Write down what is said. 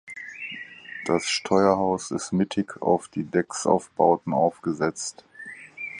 Das Steuerhaus ist mittig auf die Decksaufbauten aufgesetzt.